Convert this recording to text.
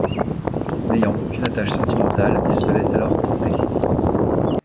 N'ayant aucune attache sentimentale, il se laisse alors tenter...